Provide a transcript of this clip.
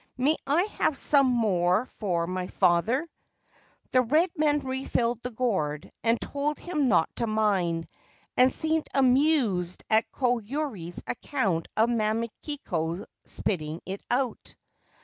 May I have some more for my father ?' The red man refilled the gourd and told him not to mind, and seemed amused at Koyuri's account of Mamikiko spitting it out.